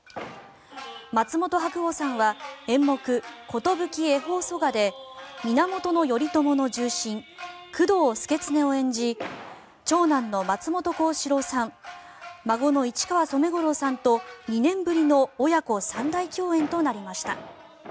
松本白鸚さんは演目「壽恵方曽我」で源頼朝の重臣・工藤祐経を演じ長男の松本幸四郎さん孫の市川染五郎さんと２年ぶりの親子３代共演となりました。